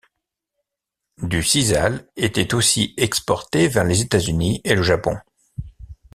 Du sisal était aussi exporté vers les États-Unis et le Japon.